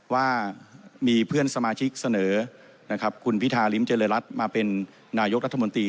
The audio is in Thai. ว่ามีเพื่อนสมาชิกเสนอนะครับคุณพิธาริมเจริญรัฐมาเป็นนายกรัฐมนตรี